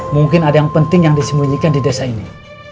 mungkin ada yang penting yang disembunyikan di desa ini